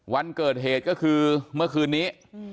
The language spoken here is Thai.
วันเกิดเหตุก็คือเมื่อคืนนี้